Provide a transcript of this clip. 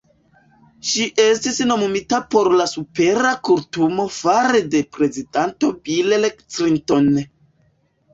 Ŝi estis nomumita por la Supera Kortumo fare de prezidanto Bill Clinton.